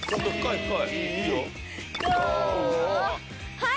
はい！